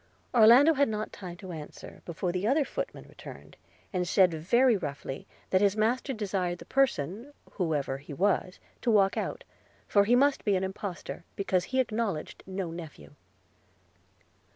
Orlando had not time to answer, before the other footman returned, and said very roughly, that his master desired the person, whoever he was, to walk out – for he must be an impostor, because he acknowledged no nephew.